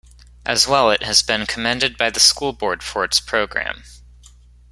As well it has been commended by the school board for its program.